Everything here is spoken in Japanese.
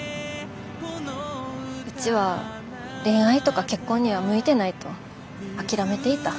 うちは恋愛とか結婚には向いてないと諦めていた。